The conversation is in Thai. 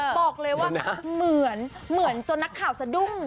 บอกเลยว่าเหมือนจนนักข่าวสะดุ้ง